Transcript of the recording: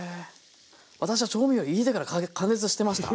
私は調味料入れてから加熱してました。